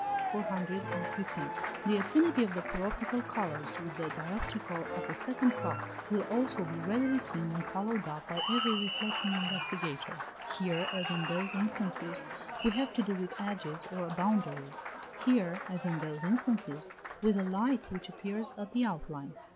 415. The affinity of the paroptical colours with the dioptrical of the second class will also be readily seen and followed up by every reflecting investigator. Here, as in those instances, we have to do with edges or boundaries; here, as in those instances, with a light, which appears at the outline.